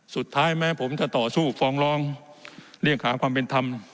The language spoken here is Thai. สุดท้ายแม้ผมจะต่อสู้ฟองร้องเรียกหาความเป็นธรรม